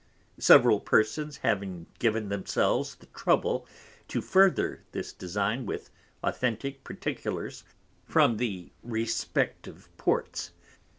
Several Persons having given themselves the Trouble to further this Design with Authentick Particulars from the respective Ports.